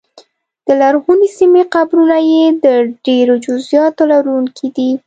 د لرغونې سیمې قبرونه یې د ډېرو جزییاتو لرونکي دي